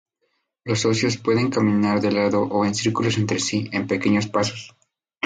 Los socios pueden caminar de lado o en círculos entre sí, en pequeños pasos.